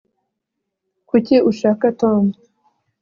kuki ushaka tom